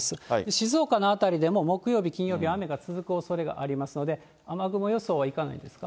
静岡の辺りでも木曜日、金曜日、雨が続くおそれがありますので、雨雲予想はいかないですか？